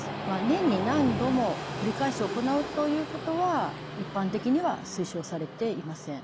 年に何度も繰り返し行うということは一般的には推奨されていません。